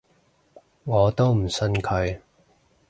我都唔信佢